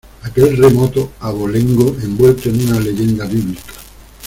aquel remoto abolengo envuelto en una leyenda bíblica.